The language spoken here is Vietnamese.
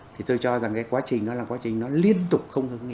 thì tôi cho rằng cái quá trình đó là quá trình nó liên tục không hứng nghỉ